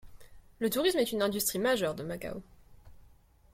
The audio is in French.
Le tourisme est une industrie majeure de Macao.